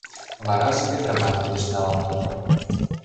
Вараже ведрамат кидыш налам тудо.